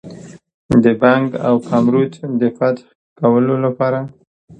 د بنګ او کامرود د فتح کولو لپاره.